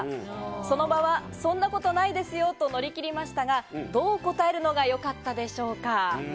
その場はそんなことないですよと乗り切りましたが、どう答えるのがよかったでしょうか？